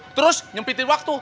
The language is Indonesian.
terus nyempitin waktu